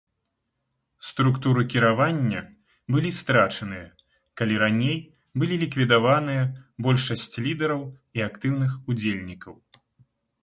Структуры кіравання былі страчаныя, калі раней былі ліквідаваныя большасць лідараў і актыўных удзельнікаў.